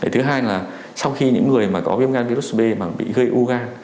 thứ hai là sau khi những người mà có viêm gan virus b mà bị gây u gan